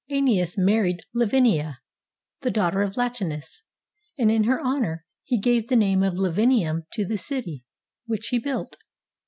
^NEAS married Lavinia, the daughter of Latinus, and in her honor he gave the name of Lavinium to the city which he built.